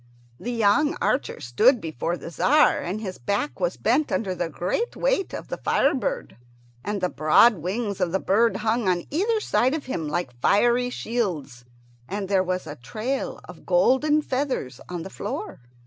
The young archer stood before the Tzar, and his back was bent under the great weight of the fire bird, and the broad wings of the bird hung on either side of him like fiery shields, and there was a trail of golden feathers on the floor.